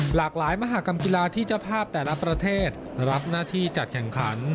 หลากหลายมหากรรมกีฬาที่เจ้าภาพแต่ละประเทศรับหน้าที่จัดแข่งขัน